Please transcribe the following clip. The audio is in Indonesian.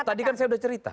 tadi kan saya sudah cerita